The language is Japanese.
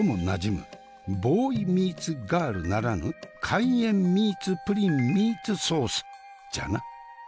なじむボーイ・ミーツ・ガールならぬカイエン・ミーツプリン・ミーツ・ソースじゃな。